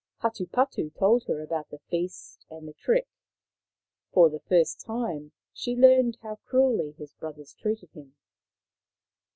Hatupatu told her about the feast and the trick. For the first time she learned how cruelly his brothers treated him.